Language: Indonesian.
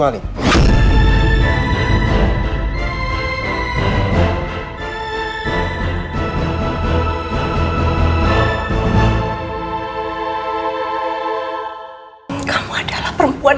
kamu udah ngunjukan mamaoman kamu sih